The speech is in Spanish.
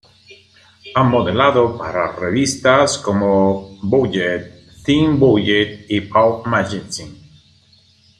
Ha modelado para revistas como Vogue, Teen Vogue y Pop Magazine.